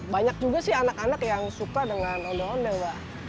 banyak juga sih anak anak yang suka dengan ondel ondel mbak